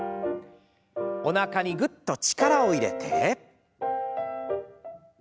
おなかにグッと力を入れて。